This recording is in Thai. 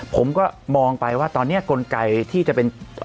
ผมก็มองไปว่าตอนนี้กลไกที่จะเป็น